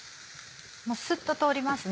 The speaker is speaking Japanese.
もうスッと通りますね。